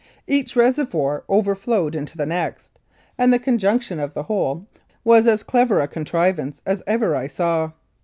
Each reservoir overflowed into the next, and the conjunction of the whole was as clever a contrivance as ever I saw.